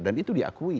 dan itu diakui